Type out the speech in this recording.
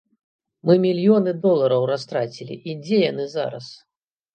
Мы мільёны долараў растрацілі, і дзе яны зараз?